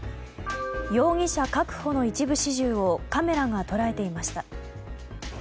容疑者確保の一部始終をカメラが捉えていました。